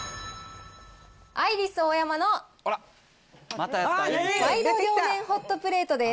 アイリスオーヤマのワイド両面ホットプレートです。